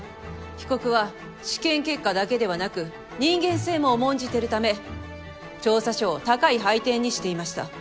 被告は試験結果だけではなく人間性も重んじているため調査書を高い配点にしていました。